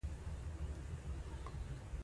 ازادي راډیو د اقلیم پر اړه مستند خپرونه چمتو کړې.